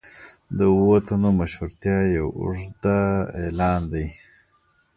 د اوو تنو مشهورتیا یو اوږده اعلان دی.